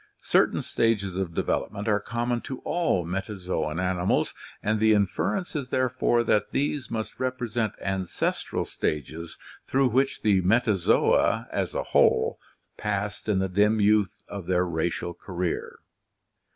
Certain stages of development are common to all metazoan animals and the inference is therefore that these must represent ancestral stages through which the Metazoa as a whole passed in the dim youth of their racial career.